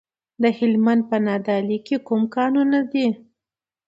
د هلمند په نادعلي کې کوم کانونه دي؟